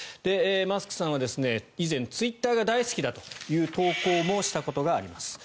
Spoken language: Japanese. マスクさんは以前、ツイッターが大好きだという投稿をしたことがあります。